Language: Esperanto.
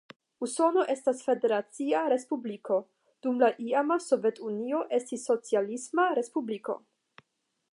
Usono estas federacia respubliko, dum la iama Sovetunio estis socialisma respubliko.